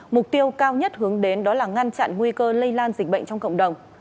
mục tiêu cao nhất hướng đến đó là ngăn chặn nguy cơ lây lan dịch bệnh trong cộng đồng